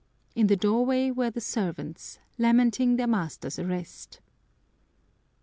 In the doorway were the servants, lamenting their master's arrest.